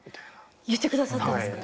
言ってくださったんですか？